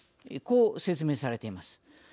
こう説明されています。